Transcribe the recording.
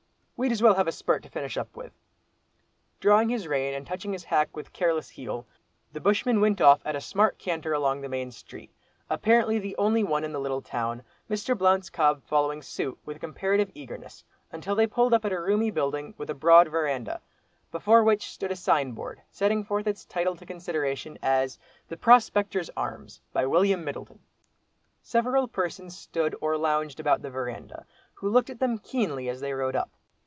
We'd as well have a spurt to finish up with." Drawing his rein, and touching his hack with careless heel, the bushman went off at a smart canter along the main street, apparently the only one in the little town, Mr. Blount's cob following suit with comparative eagerness, until they pulled up at a roomy building with a broad verandah, before which stood a sign board, setting forth its title to consideration, as the "Prospector's Arms" by William Middleton. Several persons stood or lounged about the verandah, who looked at them keenly as they rode up.